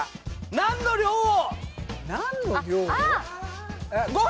何の量を？